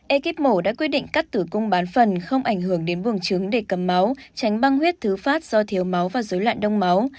ekip mổ đã quyết định cắt tử cung bán phần không ảnh hưởng đến vùng trứng để cầm máu tránh băng huyết thứ phát do thiếu máu và dối loạn đông máu